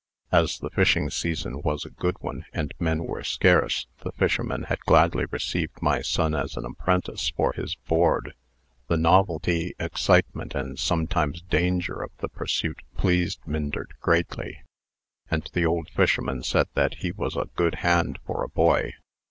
As the fishing season was a good one, and men were scarce, the fisherman had gladly received my son as an apprentice for his board. The novelty, excitement, and sometimes danger of the pursuit pleased Myndert greatly, and the old fisherman said that he was a good hand for a boy.